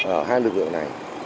ở hai lực lượng này